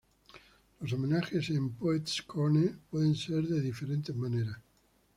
Los homenajes en "Poets' Corner" pueden ser de diferentes maneras.